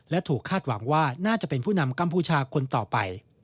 และถูกคาดหวังว่าน่าจะเป็นผู้นำกัมพูชาคนต่อไป